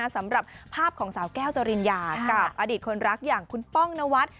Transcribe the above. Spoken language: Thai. สำหรับภาพของสาวแก้วจริญญากับอดีตคนรักอย่างคุณป้องนวัด